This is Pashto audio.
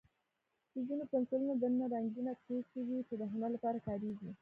د ځینو پنسلونو دننه رنګینه توکي وي، چې د هنر لپاره کارېږي.